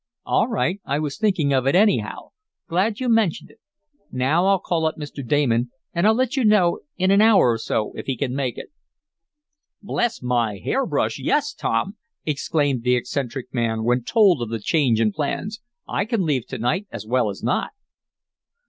"All right. I was thinking of it, anyhow. Glad you mentioned it. Now I'll call up Mr. Damon, and I'll let you know, in an hour or so, if he can make it." "Bless my hair brush, yes, Tom!" exclaimed the eccentric man, when told of the change in plans. "I can leave to night as well as not."